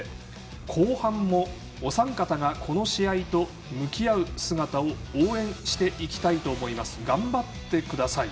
後半もお三方がこの試合と向き合う姿を応援していきたいと思います。